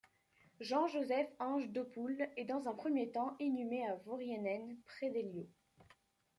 Jean Joseph Ange d'Hautpoul est dans un premier temps inhumé à Worienen, près d'Eylau.